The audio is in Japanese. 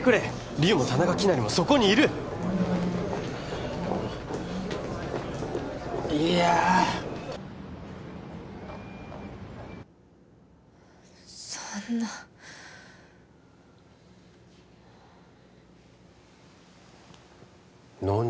莉桜も田中希也もそこにいるいやあそんな何？